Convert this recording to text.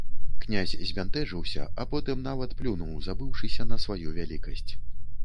Князь збянтэжыўся, а потым нават плюнуў, забыўшыся на сваю вялікасць.